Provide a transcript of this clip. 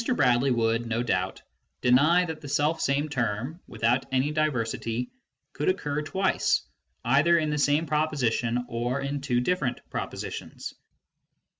Bradley would, no doubt, deny that the self same term, without any diversity, could occur twice, either in the same proposition or in two different propositions.